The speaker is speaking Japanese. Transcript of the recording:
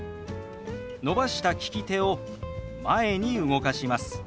伸ばした利き手を前に動かします。